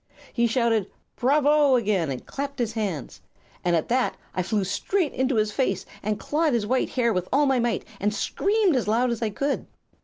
He shouted 'Bravo!' again, and clapped his hands; and at that I flew straight into his face, and clawed his white hair with all my might, and screamed as loud as I could.